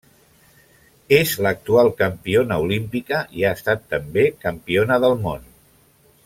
És l'actual campiona olímpica i ha estat també campiona del món.